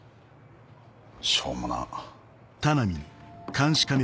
しょもな。